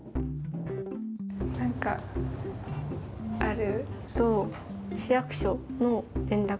何かある？